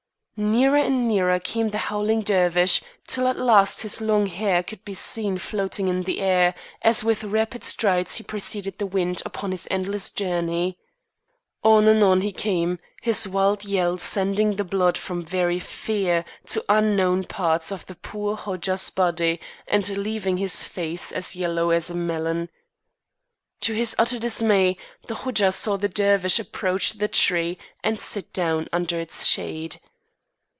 Nearer and nearer came the howling Dervish, till at last his long hair could be seen floating in the air, as with rapid strides he preceded the wind upon his endless journey. On and on he came, his wild yell sending the blood, from very fear, to unknown parts of the poor Hodja's body and leaving his face as yellow as a melon. To his utter dismay, the Hodja saw the Dervish approach the tree and sit down under its shade.